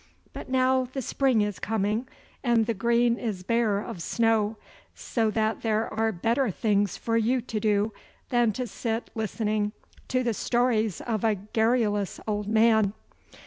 But now the spring is coming, and the green is bare of snow, so that there are better things for you to do than to sit listening to the stories of a garrulous old man.